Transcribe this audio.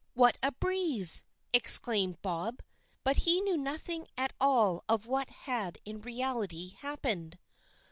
"What a breeze!" exclaimed Bob; but he knew nothing at all of what had in reality happened.